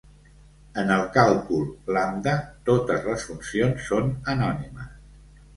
En el càlcul lambda totes les funcions són anònimes.